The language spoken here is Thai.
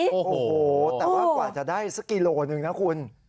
โอ้โหแต่ว่ากว่าจะได้สักกิโลหนึ่งนะคุณ